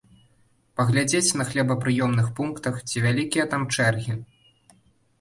Паглядзець на хлебапрыёмных пунктах, ці вялікія там чэргі.